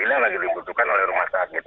ini yang lagi dibutuhkan oleh rumah sakit